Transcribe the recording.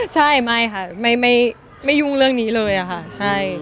ใช่ไม่ค่ะไม่ยุ่งเรื่องนี้เลยอะค่ะใช่